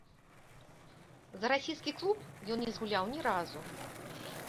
За расійскі клуб ён не згуляў ні разу.